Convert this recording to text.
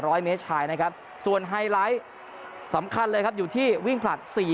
ร้อยเมตรชายนะครับส่วนไฮไลท์สำคัญเลยครับอยู่ที่วิ่งผลัดสี่